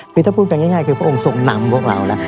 คือถ้าพูดแบบง่ายคือพวกองส่งนำพวกเราแล้ว